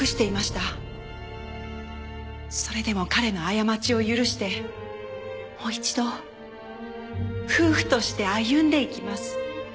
それでも彼の過ちを許してもう一度夫婦として歩んでいきます。